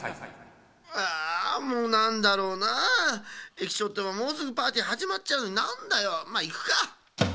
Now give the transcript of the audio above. えきちょうってばもうすぐパーティーはじまっちゃうのになんだよ。まあいくか。